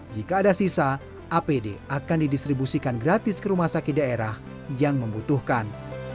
jika ada sisa apd akan didistribusikan gratis ke rumah sakit daerah yang membutuhkan